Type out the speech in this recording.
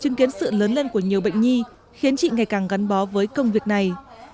chứng kiến sự lớn lên của nhiều bệnh nhi khiến chị ngày càng gắn bó với công việc này